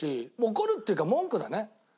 怒るっていうか文句だね。